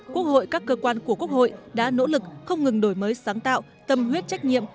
quốc hội các cơ quan của quốc hội đã nỗ lực không ngừng đổi mới sáng tạo tâm huyết trách nhiệm